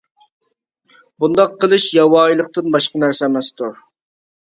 بۇنداق قىلىش ياۋايىلىقتىن باشقا نەرسە ئەمەستۇر.